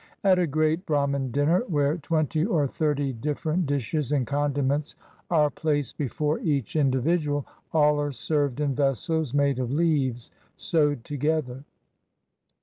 At a great Bramin dinner, where twenty or 169 INDIA thirty different dishes and condiments are placed before each individual, all are served in vessels made of leaves sewed together.